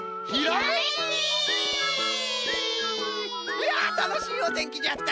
いやたのしいおてんきじゃった。